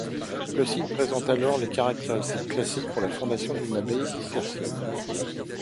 Le site présente alors les caractéristiques classiques pour la fondation d'une abbaye cistercienne.